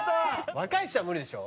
若い人は無理でしょ？